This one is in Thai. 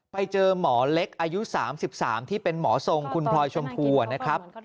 ไปเจอหมอเล็กอายุ๓๓ที่เป็นหมอทรงคุณพลอยชมพูนะครับ